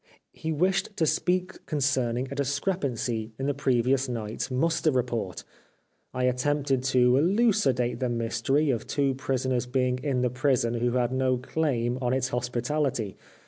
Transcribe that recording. He wished to speak concerning a discrepancy in the previous night's muster report. I attempted to elucidate the mystery of two prisoners being in the prison who had no claim on its hospi tahty.